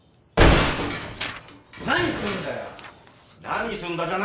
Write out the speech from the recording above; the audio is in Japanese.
・・何すんだよ！